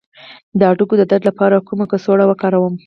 د هډوکو د درد لپاره کومه کڅوړه وکاروم؟